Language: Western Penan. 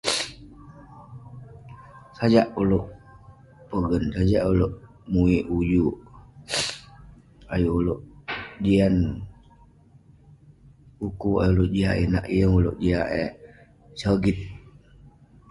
sajak ulouk pogen, sajak ulouk muik ujuk ayuk ulouk jian ukuk, ayuk ulouk jian inak..yeng ulouk jiak eh sogit